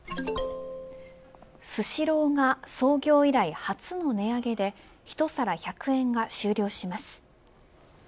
スシローが創業以来初の値上げで１皿１００円が終了します。